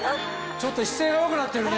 ちょっと姿勢が良くなってるね。